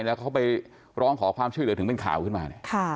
แล้วเขาไปร้องขอความช่วยเหลือถึงเป็นข่าวขึ้นมาเนี่ย